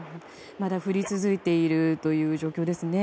まだ降り続いているという状況ですね。